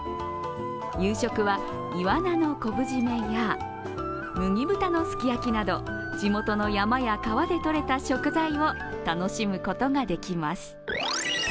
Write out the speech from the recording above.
夕食はいわなの昆布締めや麦豚のすき焼きなど地元の山や川でとれた食材を楽しむことができます。